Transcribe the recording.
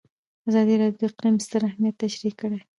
ازادي راډیو د اقلیم ستر اهميت تشریح کړی.